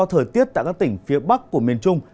thời tiết tại các tỉnh phía bắc của miền trung